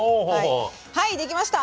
はい出来ました！